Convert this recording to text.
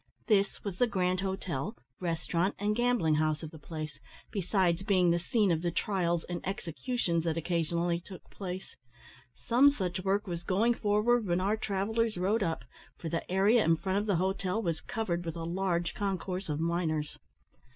This was the grand hotel, restaurant, and gambling house of the place, besides being the scene of the trials and executions that occasionally took place. Some such work was going forward when our travellers rode up, for the area in front of the hotel was covered with a large concourse of miners.